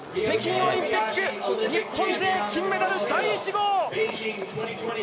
北京オリンピック日本勢金メダル第１号！